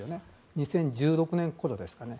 ２０１６年ごろですかね。